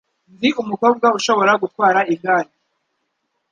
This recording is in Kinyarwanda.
Nzi umukobwa ushobora gutwara igare.